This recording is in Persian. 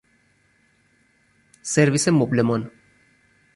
سرویس مبلمان